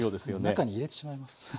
中に入れてしまいます。